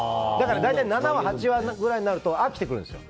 大体７話、８話くらいになると飽きてくるんです。